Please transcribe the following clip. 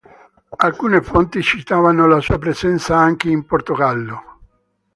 Alcune fonti citavano la sua presenza anche in Portogallo.